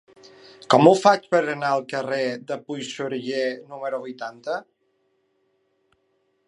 Com ho faig per anar al carrer de Puigxuriguer número vuitanta?